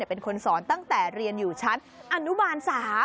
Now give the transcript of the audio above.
เป็นคนสอนตั้งแต่เรียนอยู่ชั้นอนุบาล๓